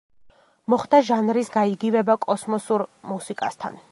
მოხდა ჟანრის გაიგივება კოსმოსურ მუსიკასთან.